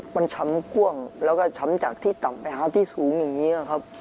มันช้ำก้วงแล้วก็ช้ำจากที่สูงอย่างนี้ครับ